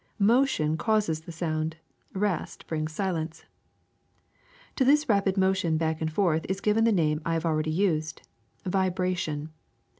Motion causes the sound; rest brings silence. ^^To this rapid motion back and forth is given the name I have already used, vibration.